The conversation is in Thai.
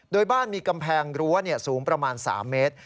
โดยบ้านมีกำแพงรั้วสูงประมาณ๓เมตร